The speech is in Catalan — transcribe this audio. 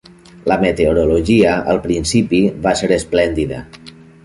La meteorologia al principi va ser esplèndida.